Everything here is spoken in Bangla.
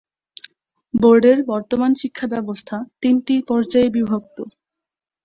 বোর্ডের বর্তমান শিক্ষা ব্যবস্থা তিনটি পর্যায়ে বিভক্ত।